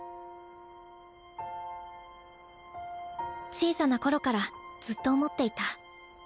小さな頃からずっと思っていた。